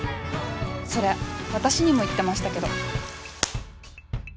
それ私にも言ってましたけど。